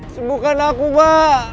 sembukan aku ma